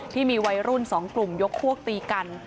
ที่มีวัยรุ่น๒กลุ่มยกพวกตีกัน